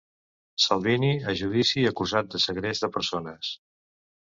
Salvini a judici acusat de segrest de persones.